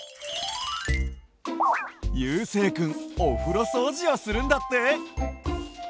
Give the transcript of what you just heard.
ゆうせいくんおふろそうじをするんだって。